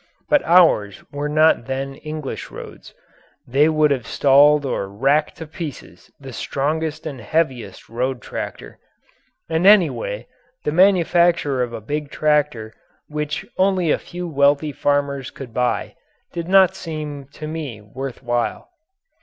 But ours were not then English roads; they would have stalled or racked to pieces the strongest and heaviest road tractor. And anyway the manufacturing of a big tractor which only a few wealthy farmers could buy did not seem to me worth while.